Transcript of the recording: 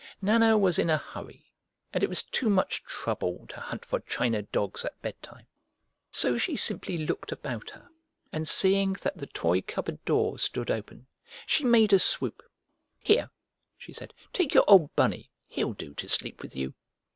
Nana was in a hurry, and it was too much trouble to hunt for china dogs at bedtime, so she simply looked about her, and seeing that the toy cupboard door stood open, she made a swoop. "Here," she said, "take your old Bunny! He'll do to sleep with you!"